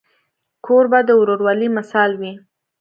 کوربه د ورورولۍ مثال وي.